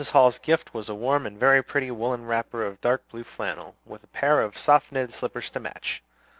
Hall's gift was a warm and very pretty woollen wrapper of dark blue flannel, with a pair of soft knitted slippers to match.